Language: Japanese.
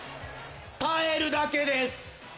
耐えるだけです。